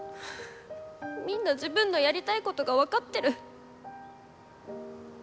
みんな自分のやりたいことが分かってる。